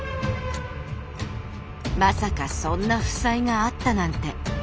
まさかそんな負債があったなんて。